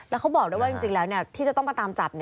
แล้วเขาบอกด้วยว่าจริงแล้วที่จะต้องมาตามจับ